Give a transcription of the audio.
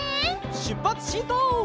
しゅっぱつしんこう！